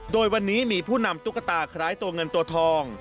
โดยวันนี้มีผู้นำตุ๊กตาคล้ายตัวเงินตัวทอง